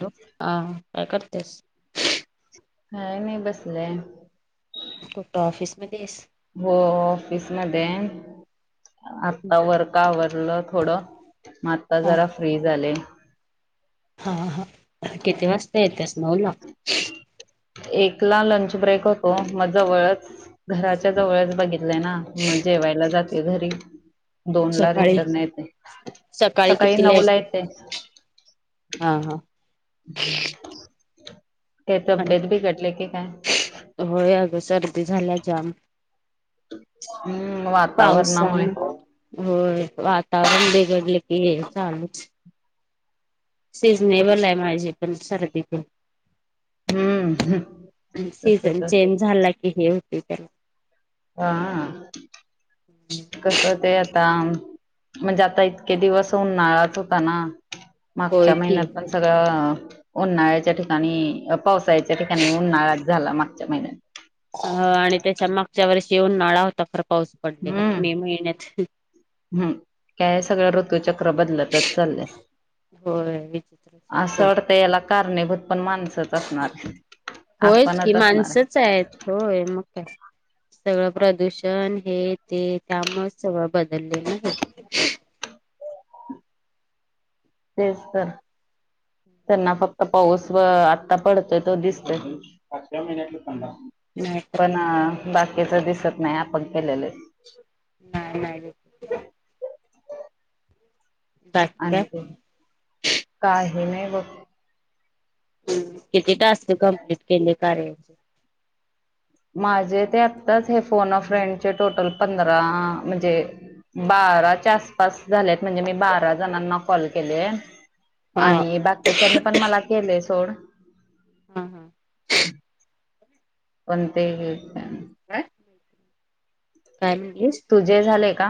ॅ हा काय करतेस काय नाही बसलं कुढ ऑफिसमध्ये आहेस हो ऑफिसमध्ये आता हम्म वर का आवरलं थोडं मग आता हा जरा फ्री झाले. हा हा किती वाजता येत्यास नऊ ला. एकला लंच ब्रेक होतो म जवळच. घराच्या जवळच बघितलंय ना जेवायला जाते घरी. दोन ला सकाळी रिटर्न येते सकाळी कितीला नऊ ला येतेस? येते. हा हा [inaudible] ते आणि तब्येत बीगडली की काय. होय अगं सर्दी झाल्या जाम. हम्म पावसान वातावरणामुळे. होय वातावरण बिघडलं की ये चालूच. सिझनेबल आहे माझी पण सर्दी तेन. हम्म तसच सीझन चेंज हा झाला किही होती त्याला. हा कस ते आ. आता म्हणजे आता इतके दिवस उन्हाळ्यात होता ना. होय मागच्या की महिन्यात पण सगळं उन्हाळ्याच्या ठिकाणी पावसाळच्या ठिकाणी उन्हाळा झाला मागच्या महिन्यात जेवण नाळा होता फर पाऊस पडलेला हम्म मे महिन्यात. हम्म काय सगळ्या ऋतू चक्र बदलतच चाललं. होय विचित्रच आहे असं सगळं वाटतं याला का. होयच की आपणच असणार माणसच आहेत होय मग काय. सगळं प्रदूषण हे ते त्यामुळे सगळं बदललेलं आहे. तेच तर त्यांना फक्त पाऊस व आ आता पडतो ते दिसतं. नाही तर च दिसत नाही आपण केलेलं. नाही नाही. क. अभ नाही बघ. हम् किती टास्क कम्प्लीट केले कार्याचे. माझे ते आत्ताच हे फोन फ्रेंडचे टोटल पंधरा म्हणजे. बाराच्या आसपास झालेत म्हणजे मी बारा जणांना कॉल केले. हा आणि बाकीच्यानी पण मला केले सोड. हा हा. [inaudible] पण ते हेच हाय काय म्हटलीस तुझे झाले का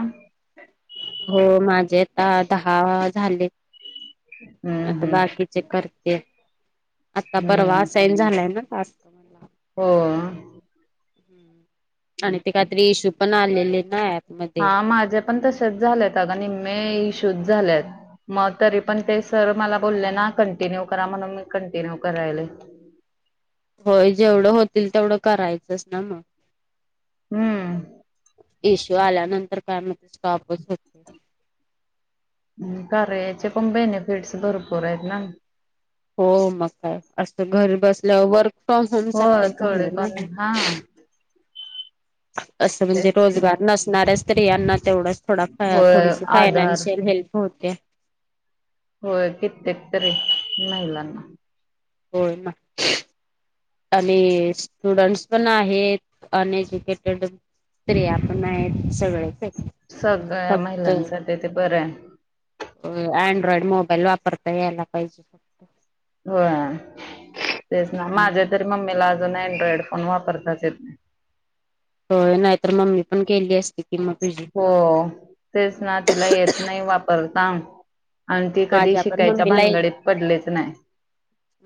हो माझे आता दहा झालेत हम्म आता हम्म बाकीचे करते. आता हम्म परवा हम्म सेंड झालेयं ना टास्क हो आणि ते काहीतरी इश्यू पण आलेले ना अँप हा माझे पण तसेच झालेत अग निम्मे इशूज झालेत. मग तरी पण ते सर मला बोलले ना कंटिन्यू करा म्हणून मी कंटिन्यू करायलयं होय जेवढं होतील तेवढं करायचंच ना मग हम्म इशू आल्यानंतर काय मगं स्टॉपच होतो कार्याचे पण बेनिफिट्स भरपूर आहेत ना हो मग काय अस घरी बसल्यावर वर्क. प्रॉम होय सारखच थोडे झालं पण ना. हा [inaudible] असं म्हणजे तेच की रोजगार नसणाऱ्या स्त्रियांना तेवढंच थोडा होय थोडीशी आधार फायनान्शियल हेल्प होते. होय कित्येक तरी महिलांना. होय ना. आणि स्टुडंट्स पण आहेत अनएज्युकेटेड. स्त्रिया आपण आहेत सगळेच [unintelligible] सगळ्या फक्त महिलांसाठी ते बरं आहे. अ अँड्रॉइड मोबाईल वापरता यायला पाहिजे. फक्त होय तेच ना हम्म, माझे तरी मम्मीलाच अजून अँड्रॉइड फोन वापरताच येत नाही. होय नाहीतर मम्मी पण केली असती. कि मग तुझी. हो तेच ना तिला येत नाही वापरता आणि ती कधी माझ्या पण शिकायच्या मम्मीला येत भानगडीत पडलेच नाही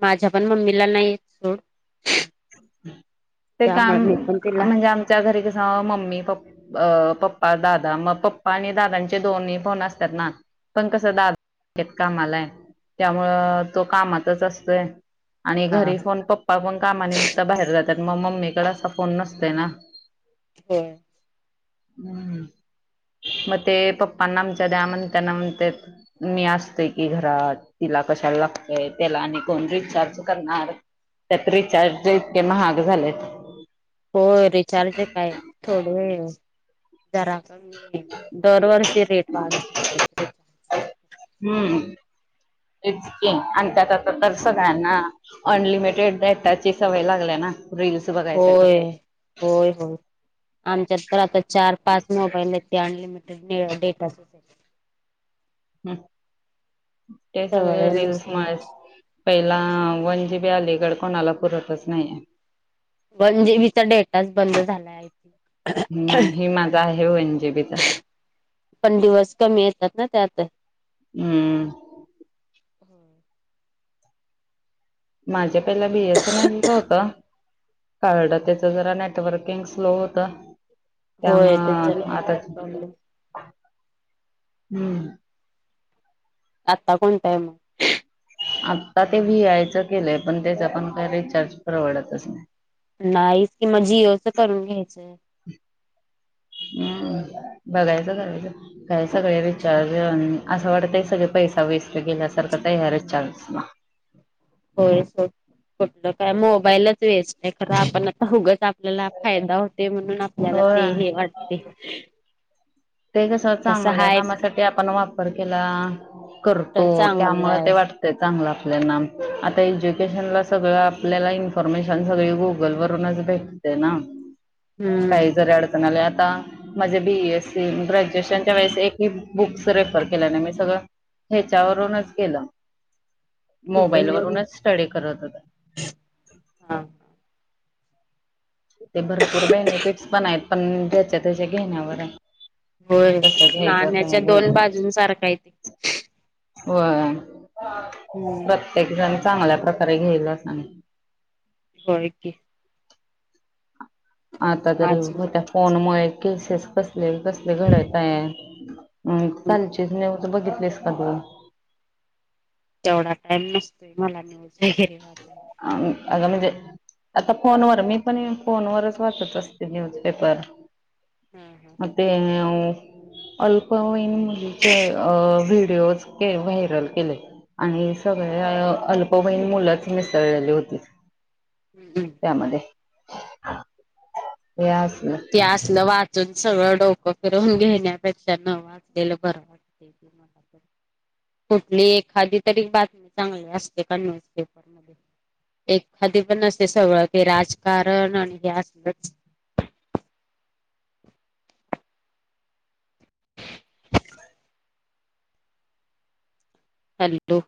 माझ्या पण मम्मीला नाही येतं सोड ते काम त्यामुळे मी पण तिला म्हणजे आमच्या घरी कसं मम्मी पप् अ पप्पा, दादा मग पप्पा आणि दादांचे दोन्ही फोन असतात ना पण कसं दादा बँकेत कामालाय त्यामुळं तो कामातच असतोय आणि हा घरी पण पप्पा पण कामानिमित्त बाहेर जात तर मग मम्मीकड असा फोन नसतोय ना [inaudible] हम्म मग ते पप्पांना आमच्या द्या म्हण त्यांना म्हण मी असतोय की घरात तिला कशाला लागतय त्याला आणि कोण रिचार्ज करणार त्यात रिचार्ज इतके महाग झालेत. हो रिचार्ज काय थोडे जरा का मी दरवर्षी रेट वाढत असत हम्म [unintelligible] आणि त्यात आता तर सगळ्यांना अनलिमिटेड डेटा ची सवय लागली ना रील्स बघायसाठी होय होय होय आमच्यात तर आता चार पाच मोबाईल आहेत ते अनलिमिटेड डेटा ह ते सगळे सवय नसते रिल्समुळेच पहिला वन जीबी अलीकड कोणाला पुरतच नाहीये. वन जीबी चा डेटाच बंद झाला आहे नाही हे माझ आहे वन जीबीचा पण दिवस कमी येतात ना त्यात हम्म हो माझ्या पहिला बीएसएन एच होत कळड त्याच जरा नेटवर्किंग स्लो होत त्या म होय त्याच नेटवर्क आताच प्रॉब्लेम हम्म आता कोणत आहे म आता ते व्ही आयच केलंय पण त्याचा पण काय रिचार्ज परवडतच नाही नाहीच किंवा जिओच करून घ्यायचंय हम्म बघायचं कराच काय सगळे रिचार्ज असं वाटत हे सगळे पैसा वेस प गेल्यासारखं तयारच चास ना होय कुठलं काय मोबाईलच वेच ते खरं आपण आता उगच आपल्याला फायदा होते म्हणून आपल्याला होय ते हे वाटते ते कस तसं चांगल्या हाय कामासाठी आपण वापर केला करतो तर त्यामु चांगलं आहे ते वाटत चांगला ल्या आता एज्युकेशन ला सगळं आपल्याला इन्फॉर्मेशन सगळे गुगल वरूनच भेटते ते ना हम्म. काही जरी अडचण आ आता माझे बीस सी ग्रॅज्युएशनच्या वेळेस एक बुक्स रेफर केल्याने मी सगळं ह्याच्यावरूनच केलं गुगल मोबाईल वरून वरूनच स्टडी करत होत हा ते भरपूर बेनिफिटस पण आहेत पण त्याच्या त्याच्या घेण्यावर आहे. हो कसं घ्यायचं नाण्याच्या काय दोन घ्यायचं बाजूं सारखा येत. होय हम्म. प्रत्येक जण चांगल्या प्रकारे घ्यायला सांग. होय की. आता तरी अजून हो त्या फोनमुळे केसेस कसले, कसले घडत आहे. हम्म चालची तर बघितलीस का तु? तेवढा टाइम नसतोय मला न्यूज वगैरे वाचायला अ आता म्हणजे. आता फोनवर मी पण फोनवरच वाचत असते न्यूजपेपर हा हा. अ अल्पवयीन मुलींचे अ विडिओ वडओ व्हायरल केले आणि सगळ अल्पवयीन मुलाच मिसळलेली होती हम्म त्यामध्ये. या [unintelligible] ते असलवा अजून सगळं डोकं फिरून घेण्यापेक्षा न वाचलेलं बरं वाटते ते मला. कुठली एखादी तरी बातमी चांगली असते का न्यूजपेपर मध्ये? एखादी पण असते सगळं ते राजकारण आणि हे असलच हॅलो.